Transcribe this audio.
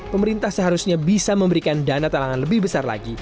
pemerintah seharusnya bisa memberikan dana talangan lebih besar lagi